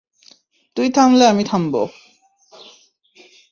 তুই থামলে আমি থামব।